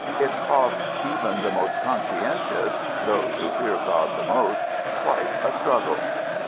It costs even the most conscientious those who fear God the most quite a struggle.